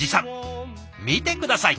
見て下さい。